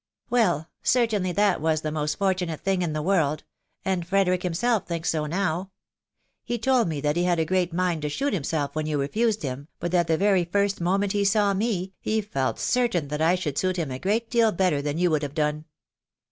" Well ! certainly that was the most fortunate thing in the world .... and Frederick himself thinks so now. He told me that he had a great mind to shoot himself when you refused him ; but that the very first moment he "saw me, he felt certain that I should suit him a great deal better than you would have ' done."